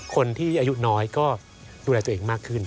คนที่อายุน้อยก็ดูแลตัวเองมากขึ้น